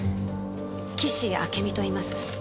岸あけみといいます。